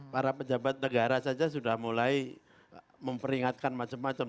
para pejabat negara saja sudah mulai memperingatkan macam macam